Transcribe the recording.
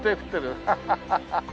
ハハハハハ！